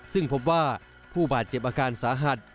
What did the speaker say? ซึ่งพบว่าผู้บาดเจ็บอาการสาหัส